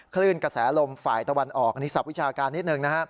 คลื่นกระแสลมฝ่ายตะวันออกนี่ศัพท์วิชาการนิดหนึ่ง